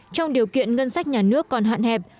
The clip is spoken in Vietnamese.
trong điều kiện ngân sách nhà nước còn hạn hẹp